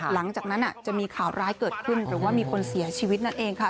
หลังจากนั้นจะมีข่าวร้ายเกิดขึ้นหรือว่ามีคนเสียชีวิตนั่นเองค่ะ